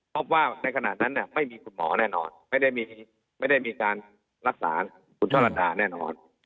พบว่าในขณะนั้นไม่มีคุณหมอแน่นอนไม่ได้มีการรักษาคุณช่อลัดดาแน่นอน